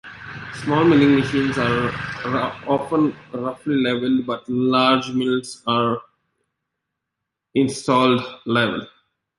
Small milling machines are often roughly leveled but large mills are installed level.